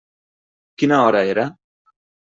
Quina hora era?